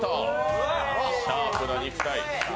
シャープな肉体。